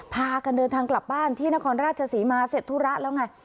พากันเดินทางกลับบ้านที่นครราชศรีมาเสร็จธุระแล้วไง